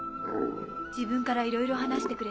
自分からいろいろ話してくれた。